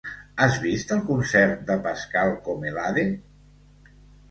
Has vist el concert de Pascal Comelade?